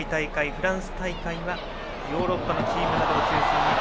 フランス大会はヨーロッパのチームなどを中心に。